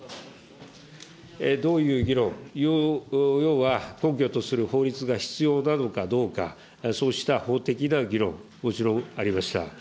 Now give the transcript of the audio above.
どういう議論、要は根拠とする法律が必要なのかどうか、そうした法的な議論、もちろんありました。